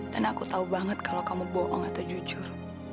dan aku tau banget kalau kamu bohong atau jujur